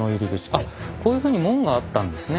あっこういうふうに門があったんですね